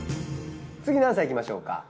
次何歳いきましょうか。